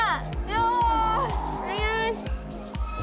よし！